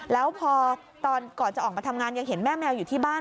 แล้วพอตอนก่อนจะออกมาทำงานยังเห็นแม่แมวอยู่ที่บ้าน